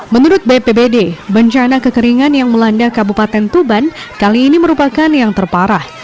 menurut bpbd bencana kekeringan yang melanda kabupaten tuban kali ini merupakan yang terparah